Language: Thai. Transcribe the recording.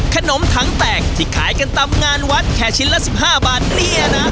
ขนมถังแตกที่ขายกันตามงานวัดแค่ชิ้นละ๑๕บาทเนี่ยนะ